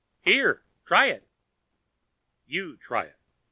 "Here. Try it." "You try it."